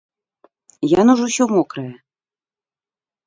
Яно ж усё мокрае.